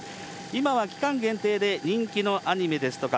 今は期間限定で、人気のアニメですとか